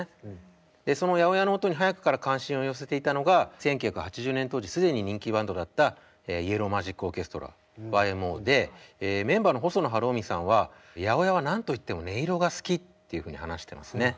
でその８０８の音に早くから関心を寄せていたのが１９８０年当時既に人気バンドだったイエロー・マジック・オーケストラＹＭＯでメンバーの細野晴臣さんは８０８は何と言っても音色が好きっていうふうに話してますね。